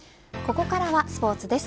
ここからスポーツです。